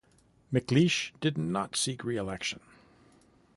McLeish did not seek re election.